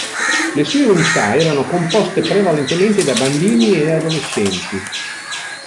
Le sue unità erano composte prevalentemente da bambini e adolescenti.